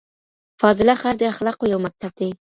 فاضله ښار د اخلاقو یو مکتب دی.